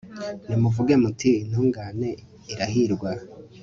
nimuvuge muti intungane irahirwa